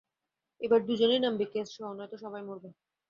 এবার দুইজন-ই নামবে, কেস সহ, নয়তো সবাই মরবে।